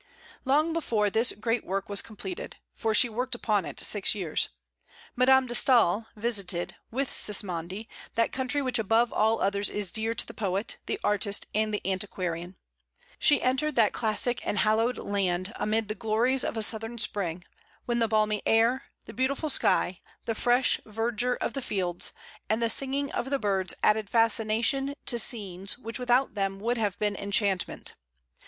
Long before this great work was completed, for she worked upon it six years, Madame de Staël visited, with Sismondi, that country which above all others is dear to the poet, the artist, and the antiquarian. She entered that classic and hallowed land amid the glories of a southern spring, when the balmy air, the beautiful sky, the fresh verdure of the fields, and the singing of the birds added fascination to scenes which without them would have been enchantment.